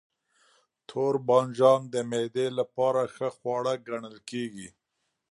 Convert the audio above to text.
توربانجان د معدې لپاره ښه خواړه ګڼل کېږي.